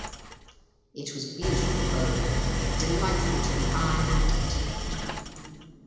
It was beautiful bowling, delightful to the eye and intellect.